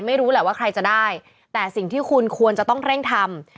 ไม่รู้แหละว่าใครจะได้แต่สิ่งที่คุณควรจะต้องเร่งทำ